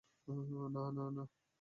না না না!